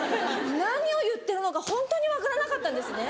何を言ってるのかホントに分からなかったんですね。